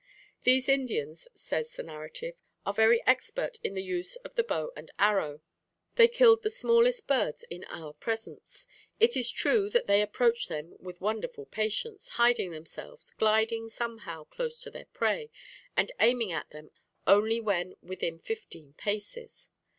"These Indians," says the narrative, "are very expert in the use of the bow and arrow. They killed the smallest birds in our presence. It is true that they approach them with wonderful patience, hiding themselves, gliding, somehow, close to their prey, and aiming at them only when within fifteen paces.